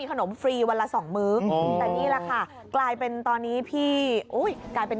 ฟรีวันละสองมื้อแต่นี่แหละค่ะกลายเป็นตอนนี้พี่อุ้ยกลายเป็น